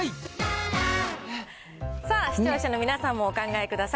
さあ、視聴者の皆さんもお考えください。